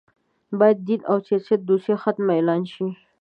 باید دین او سیاست دوسیه ختمه اعلان شي